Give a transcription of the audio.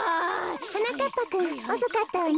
はなかっぱくんおそかったわね。